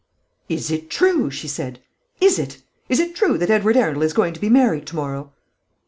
"Is it true?" she said; "is it? Is it true that Edward Arundel is going to be married to morrow?"